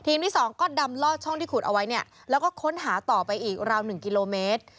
ที่๒ก็ดำลอดช่องที่ขุดเอาไว้เนี่ยแล้วก็ค้นหาต่อไปอีกราว๑กิโลเมตร